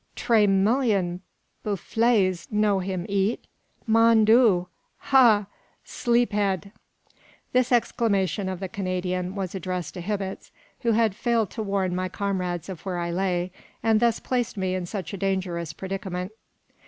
tre million buffles no him eat. Mon Dieu! Ha, Sleep head!" This exclamation of the Canadian was addressed to Hibbets, who had failed to warn my comrades of where I lay, and thus placed me in such a dangerous predicament.